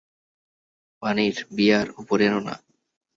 পানির, বিয়ার উপরে এনো না।